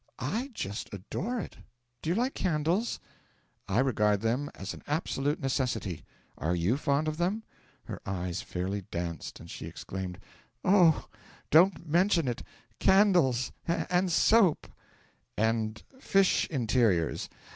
'I just adore it! Do you like candles?' 'I regard them as an absolute necessity. Are you fond of them?' Her eyes fairly danced, and she exclaimed: 'Oh! Don't mention it! Candles! and soap! ' 'And fish interiors!